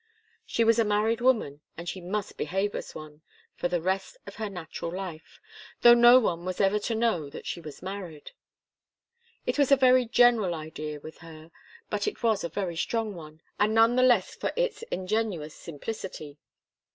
She was a married woman, and she must behave as one, for the rest of her natural life, though no one was ever to know that she was married. It was a very general idea, with her, but it was a very strong one, and none the less so for its ingenuous simplicity.